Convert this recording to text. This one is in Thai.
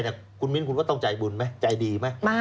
แต่คุณมิ้นคุณว่าต้องใจบุญไหมใจดีไหม